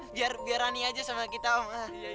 biar rani aja sama kita om